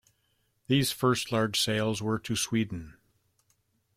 These first large sales were to Sweden.